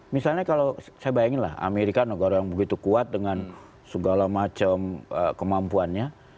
misalnya kalau saya bayangin lah amerika negara yang begitu kuat dengan segala macam kemampuannya